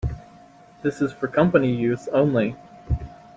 This is for company use only.